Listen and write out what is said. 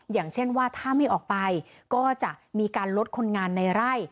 อย่างเช่นว่าถ้าไม่ออกไปก็จะมีการลดคนงานในไร่